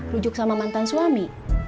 rujuk sama mantan suami